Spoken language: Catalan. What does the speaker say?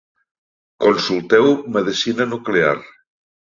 Consulteu medicina nuclear.